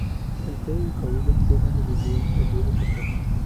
El estado de Coahuila y Texas se dividió en dos departamentos.